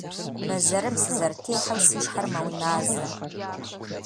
Бэзэрым сызэрытехьэу си щхьэр мэуназэ.